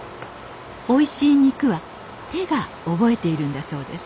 おいしい肉は手が覚えているんだそうです